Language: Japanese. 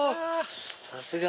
さすが。